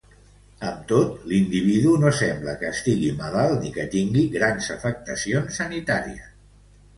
Amb tot, l'individu no sembla que estigui malalt ni que tingui grans afectacions sanitàries.